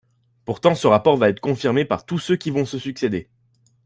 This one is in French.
Pourtant, ce rapport va être confirmé par tous ceux qui vont se succéder.